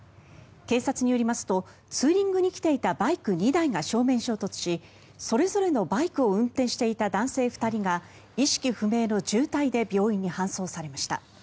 警察によりますとツーリングにきていたバイク２台が正面衝突しそれぞれのバイクを運転していた男性２人が意識不明の重体で病院に搬送されました。